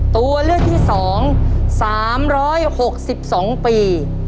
ตัวเลือดที่สอง๓๖๒ปี